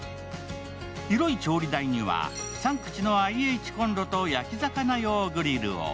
広い調理台には３口のＩＨこんろと焼き魚用グリルを。